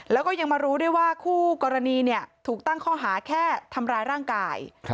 แล้วก็ยังมารู้ด้วยว่าคู่กรณีถูกตั้งข้อหาแค่ทำร้ายร่างกาย